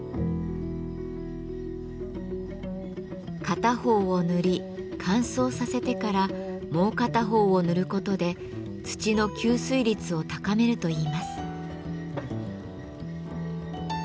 片方を塗り乾燥させてからもう片方を塗ることで土の吸水率を高めるといいます。